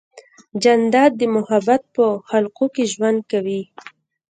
جانداد د محبت په خلقو کې ژوند کوي.